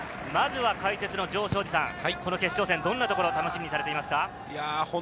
まずは解説の城彰二さん、決勝戦、どんなところを楽しみにされていますか？